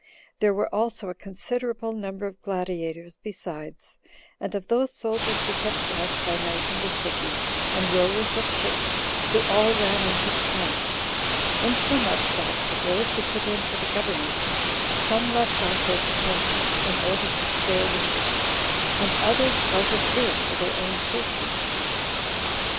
There were also a considerable number of gladiators besides, and of those soldiers who kept watch by night in the city, and rowers of ships, who all ran into the camp; insomuch that, of those who put in for the government, some left off their pretensions in order to spare the city, and others out of fear for their own persons.